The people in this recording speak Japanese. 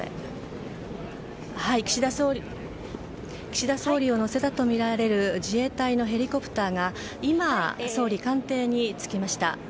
岸田総理を乗せたとみられる自衛隊のヘリコプターが今、総理官邸に着きました。